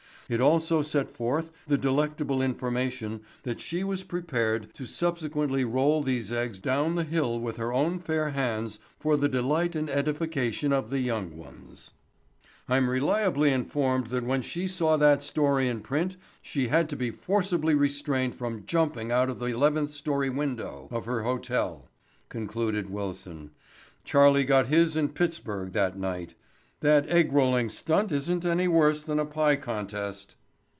It also set forth the delectable information that she was prepared to subsequently roll these eggs down the hill with her own fair hands for the delight and edification of the young ones. "I'm reliably informed that when she saw that story in print she had to be forcibly restrained from jumping out of the eleventh story window of her hotel," concluded Wilson. "Charlie got his in Pittsburgh that night. That egg rolling stunt isn't any worse than a pie contest."